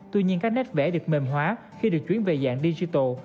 tuy nhiên các nét vẽ được mềm hóa khi được chuyển về dạng digital